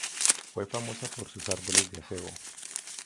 Fue famosa por sus árboles de acebo.